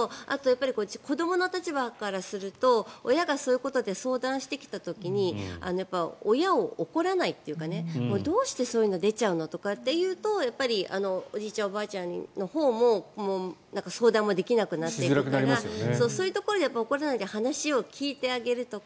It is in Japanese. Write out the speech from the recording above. やっぱり子どもの立場からすると親がそういうことで相談してきた時に親を怒らないというかどうしてそういうの出ちゃうのとかというとおじいちゃんおばあちゃんのほうも相談もできなくなっていくからそういうところで怒らないで話を聞いてあげるとか